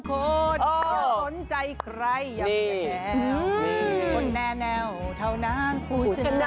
โทษจะสนใจใครอย่างแนวคนแนวเท่านั้นผู้ชนะ